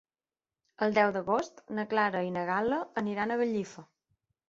El deu d'agost na Clara i na Gal·la aniran a Gallifa.